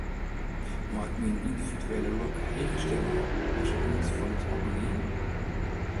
Mei ik myn yndividuele lok heger stelle as it nut fan it algemien?